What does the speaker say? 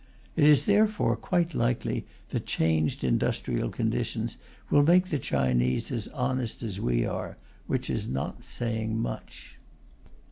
It is, therefore, quite likely that changed industrial conditions will make the Chinese as honest as we are which is not saying much.